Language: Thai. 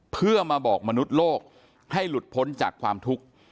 เพื่อมาบอกมนุษย์โลกให้หลุดพ้นจากความทุกข์